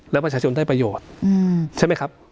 แล้วประชาชนได้ประโยชน์ใช่ไหมครับ